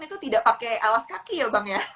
itu tidak pakai alas kaki ya bang ya